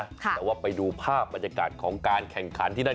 แต่ว่าไปดูภาพบรรยากาศของการแข่งขันที่นั่น